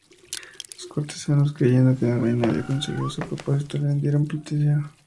Los cortesanos, creyendo que la reina había conseguido su propósito, le rindieron pleitesía.